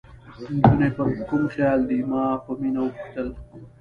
نجونې پر کوم خیال دي؟ ما په مینه وپوښتل.